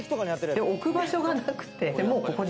置く場所がなくて。